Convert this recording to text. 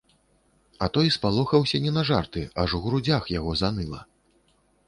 А той спалохаўся не на жарты, аж у грудзях яго заныла.